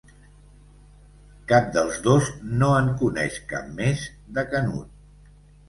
Cap dels dos no en coneix cap més, de Canut.